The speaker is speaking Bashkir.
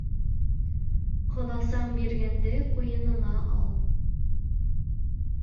Ҡоҙасаң биргәнде ҡуйыныңа ал